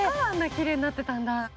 きれいになってたんだ。